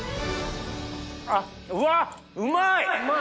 あっうわうまい！